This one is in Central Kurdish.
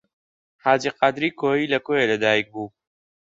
حاجی قادری کۆیی لە کۆیە لەدایک بوو.